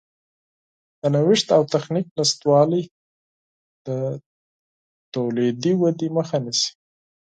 د نوښت او تخنیک نشتوالی د تولیدي ودې مخه نیسي.